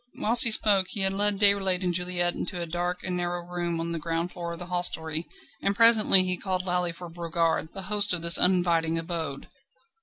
Whilst he spoke he had led Déroulède and Juliette into a dark and narrow room on the ground floor of the hostelry, and presently he called loudly for Brogard, the host of this uninviting abode.